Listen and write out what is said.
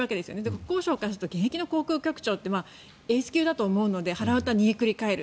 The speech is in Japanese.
国交省からしたら現役の航空局長ってエース級だと思うのではらわたは煮えくり返る。